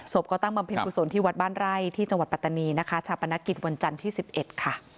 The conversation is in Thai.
ก็ตั้งบำเพ็ญกุศลที่วัดบ้านไร่ที่จังหวัดปัตตานีนะคะชาปนกิจวันจันทร์ที่๑๑ค่ะ